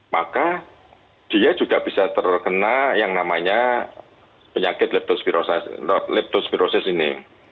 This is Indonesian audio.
maka dia juga bisa terkena yang namanya penyakit leptospirosis ini